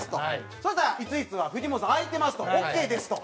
そしたら「いついつはフジモンさん空いてます」と「オーケーです」と。